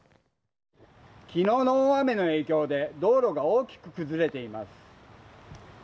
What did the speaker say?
昨日の大雨の影響で道路が大きく崩れています。